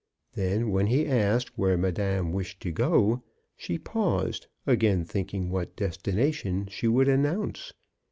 Then, when he asked where madame wished to go, she paused, again thinking what destination she would announce.